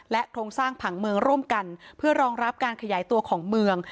โครงสร้างผังเมืองร่วมกันเพื่อรองรับการขยายตัวของเมือง